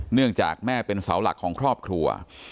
เนื่องจากแม่เป็นเสาหลักของครอบครัว